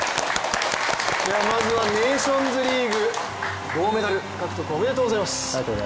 まずはネーションズリーグ銅メダル獲得おめでとうございます。